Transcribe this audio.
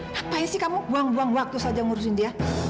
kenapa kamu buang buang waktu saja ngurusin dia